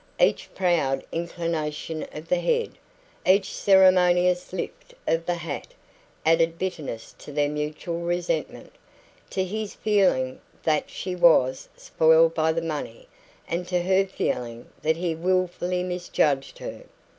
Each proud inclination of the head, each ceremonious lift of the hat, added bitterness to their mutual resentment to his feeling that she was spoiled by her money, and to her feeling that he wilfully misjudged her.